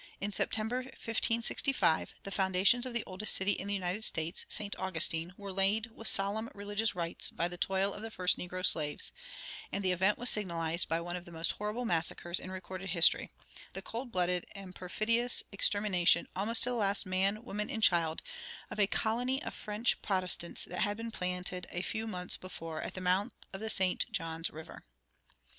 In September, 1565, the foundations of the oldest city in the United States, St. Augustine, were laid with solemn religious rites by the toil of the first negro slaves; and the event was signalized by one of the most horrible massacres in recorded history, the cold blooded and perfidious extermination, almost to the last man, woman, and child, of a colony of French Protestants that had been planted a few months before at the mouth of the St. John's River.